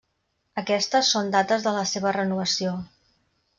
Aquestes són dates de la seva renovació.